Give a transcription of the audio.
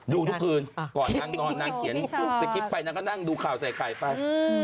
ดูทุกคืนก่อนนางนอนนางเขียนสคริปต์ไปนางก็นั่งดูข่าวใส่ไข่ไป